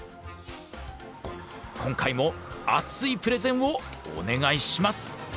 今回も熱いプレゼンをお願いします！